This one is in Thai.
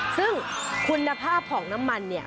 ซึ่งคุณภาพของน้ำมันเนี่ย